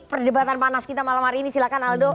perdebatan panas kita malam hari ini silahkan aldo